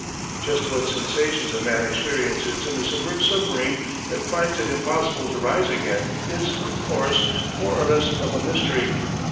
Just what sensations a man experiences in a submerged submarine that finds it impossible to rise again, is, of course, more or less of a mystery.